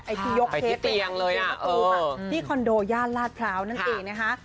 ไปที่เตียงเลยอ่ะที่คอนโดย่านลาดพร้าวนั่นเองนะคะ